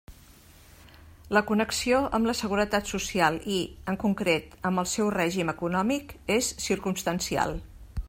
La connexió amb la Seguretat Social i, en concret, amb el seu règim econòmic, és circumstancial.